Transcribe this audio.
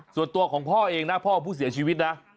ส่วนตัวของพ่อเองนะพ่อผู้เสียชีวิตนะ